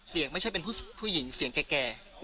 ไม่ใช่เป็นผู้หญิงเสียงแก่